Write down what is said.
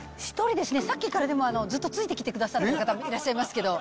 さっきからでもずっとついてきてくださってる方、いらっしゃいますけど。